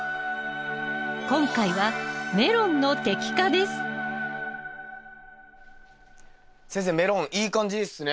今回は先生メロンいい感じっすね。